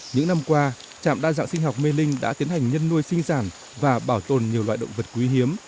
những năm qua trạm đa dạng sinh học mê linh đã tiến hành nhân nuôi sinh sản và bảo tồn nhiều loại động vật quý hiếm